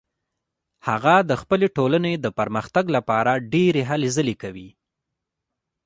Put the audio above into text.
هغه د خپلې ټولنې د پرمختګ لپاره ډیرې هلې ځلې کوي